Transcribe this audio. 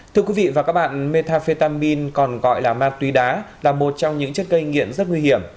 thưa quý vị và các bạn metafetamin còn gọi là ma túy đá là một trong những chất gây nghiện rất nguy hiểm